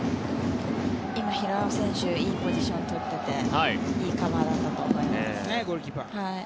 今、平尾選手いいポジションを取っていていいカバーだったと思います。